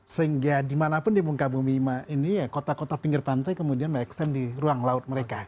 sehingga dimanapun di muka bumi ini kota kota pinggir pantai kemudian mengekstensi di ruang laut mereka